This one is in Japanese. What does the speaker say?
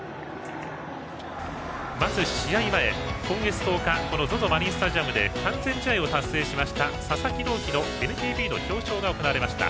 まず試合前、今月１０日このＺＯＺＯマリンスタジアムで完全試合を達成しました佐々木朗希のＮＰＢの表彰が行われました。